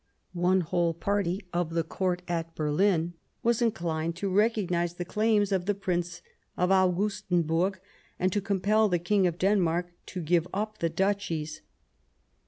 One whole party at the Court of Berlin was inclined to recog nize the claims of the Prince of Augustenburg and to compel the King of Denmark to give up the Duchies.